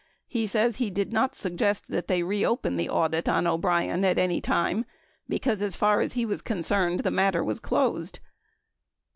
He says he did not suggest that they reopen the audit on O'Brien at any time because as far as he was concerned, the matter was closed.